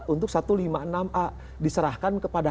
untuk satu ratus lima puluh enam a diserahkan kepada